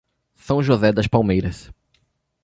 São José das Palmeiras